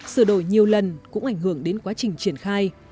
sửa đổi nhiều lần cũng ảnh hưởng đến quá trình triển khai